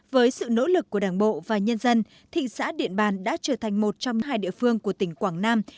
với sự nỗ lực của đảng bộ và nhân dân thị xã điện bàn đã trở thành một trong hai địa phương của tỉnh quảng nam